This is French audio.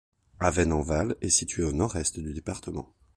Avesnes-en-Val est située au nord-est du département.